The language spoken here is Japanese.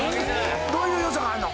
どういう良さがあるの？